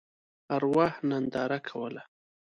ارواح ننداره کوله.